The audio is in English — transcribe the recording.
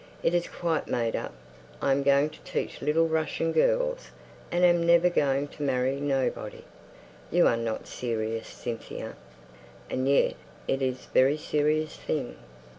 "It is quite made up. I am going to teach little Russian girls; and am never going to marry nobody." "You are not serious, Cynthia. And yet it is a very serious thing."